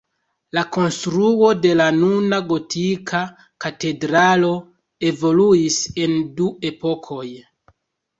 La konstruo de la nuna gotika katedralo evoluis en du epokoj.